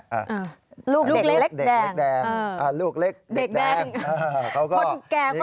ลูกเล็กแดงเด็กแดงเค้าก็นี่ก็เจิงเลย